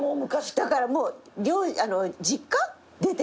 だからもう。